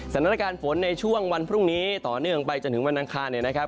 สถานการณ์ฝนในช่วงวันพรุ่งนี้ต่อเนื่องไปจนถึงวันอังคารเนี่ยนะครับ